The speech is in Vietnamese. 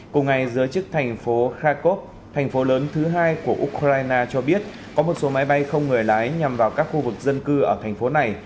cùng ngày giới chức thành phố kharkov thành phố lớn thứ hai của ukraine cho biết có một số máy bay không người lái nhằm vào các khu vực dân cư ở thành phố này